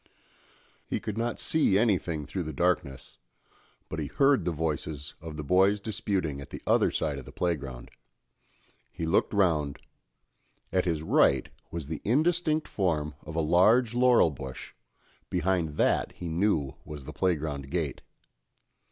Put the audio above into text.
He could not see anything through the darkness, but he heard the voices of the boys disputing at the other side of the playground; he looked round; at his right was the indistinct form of a large laurel bush, behind that he knew was the playground gate.